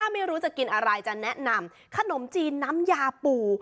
ไม่รู้จะกินอะไรจะแนะนำขนมจีนน้ำยาปู